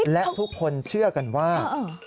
และทุกคนเชื่อกันว่า